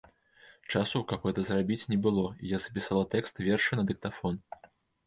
Часу, каб гэта зрабіць, не было, і я запісала тэкст верша на дыктафон.